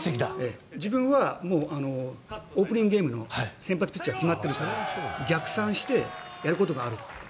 自分はオープニングゲームの先発ピッチャーが決まってるから逆算してやることがあるって。